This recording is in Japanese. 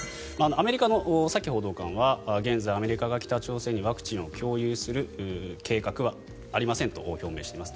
アメリカのサキ報道官は現在、アメリカが北朝鮮にワクチンを共有する計画はありませんと表明しています。